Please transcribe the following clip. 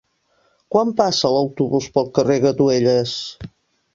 Quan passa l'autobús pel carrer Gatuelles?